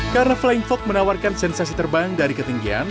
karena flying fox menawarkan sensasi terbang dari ketinggian